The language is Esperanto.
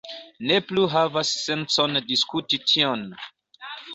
Ne plu havas sencon diskuti tion.